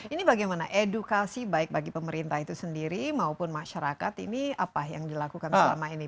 ini bagaimana edukasi baik bagi pemerintah itu sendiri maupun masyarakat ini apa yang dilakukan selama ini